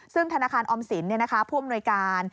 ซึ่งธนาคารออมสินผู้อำนวยการ